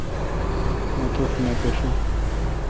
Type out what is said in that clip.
مہ توٹھ نہ پاشوں۔